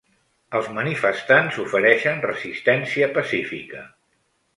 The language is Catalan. Els manifestants ofereixen resistència pacífica.